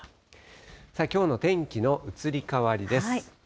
さあ、きょうの天気の移り変わりです。